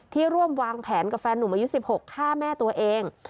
ร่วมวางแผนกับแฟนหนุ่มอายุ๑๖ฆ่าแม่ตัวเอง